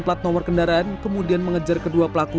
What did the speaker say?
plat nomor kendaraan kemudian mengejar kedua pelaku